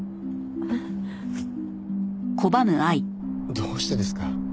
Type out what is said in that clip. どうしてですか？